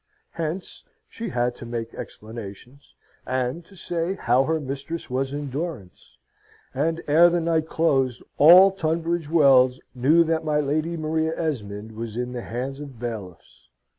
Hence, she had to make explanations, and to say how her mistress was in durance; and, ere the night closed, all Tunbridge Wells knew that my Lady Maria Esmond was in the hands of bailiffs.